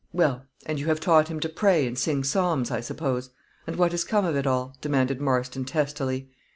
"Well, and you have taught him to pray and sing psalms, I suppose; and what has come of it all?" demanded Marston, testily.